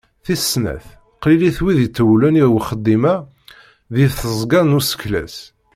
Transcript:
Tis snat, qlilit wid itewlen i uxeddim-a deg tzeqqa n usekles.